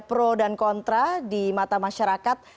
pro dan kontra di mata masyarakat